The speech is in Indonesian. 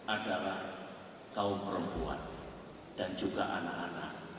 adalah kaum perempuan dan juga anak anak